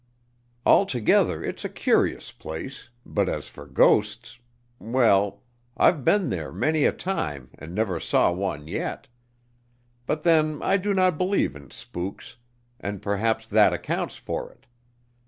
Altogether it's a curious place, but as for ghosts well, I've been there many a time and never saw one yet. But then, I do not believe in spooks, and perhaps that accounts for it.